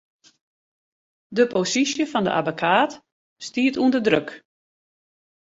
De posysje fan 'e abbekaat stiet ûnder druk.